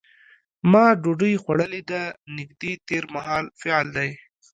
ما ډوډۍ خوړلې ده نږدې تېر مهال فعل دی.